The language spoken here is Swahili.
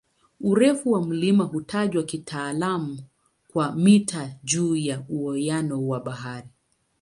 Urefu wa mlima hutajwa kitaalamu kwa "mita juu ya uwiano wa bahari".